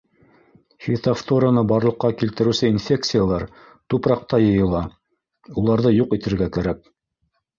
Фитофтораны барлыҡҡа килтереүсе инфекциялар тупраҡта йыйыла, уларҙы юҡ итергә кәрәк.